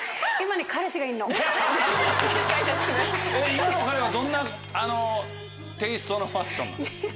今の彼はどんなテイストのファッションなの？